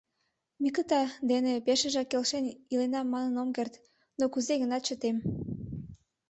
Микыта дене пешыжак келшен илена манын ом керт, но кузе-гынат чытем.